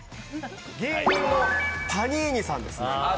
芸人のパニーニさんです。